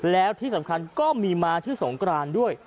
แล้วที่สำคัญก็มีมาที่สงกรานด้วย